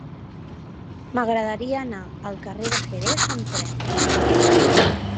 M'agradaria anar al carrer de Jerez amb tren.